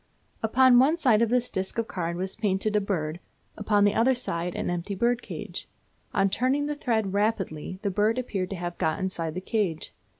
Upon one side of this disc of card was painted a bird, upon the other side an empty bird cage. On turning the thread rapidly the bird appeared to have got inside the cage.